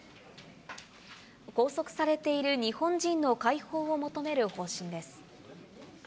拘束されている日本人の解放を求める方針です。